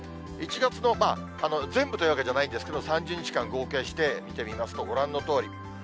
１月の全部というわけじゃないんですけど、３０日間合計して見てみますとご覧のとおり。